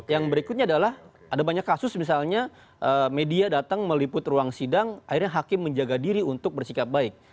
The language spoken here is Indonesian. yang berikutnya adalah ada banyak kasus misalnya media datang meliput ruang sidang akhirnya hakim menjaga diri untuk bersikap baik